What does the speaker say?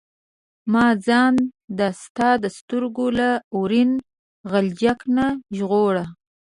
ما ځان د ستا د سترګو له اورین غلچک نه ژغوره.